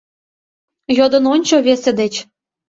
Йодын ончо весе деч: